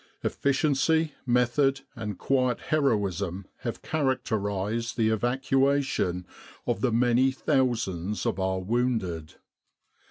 ... Efficiency, method, and quiet heroism have characterised the evacuation of the many thousands of our wounded."